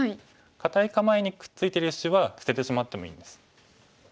堅い構えにくっついてる石は捨ててしまってもいいんです。